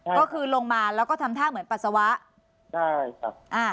ก็คือลงมาแล้วก็ทำท่าเหมือนปัสสาวะได้ครับ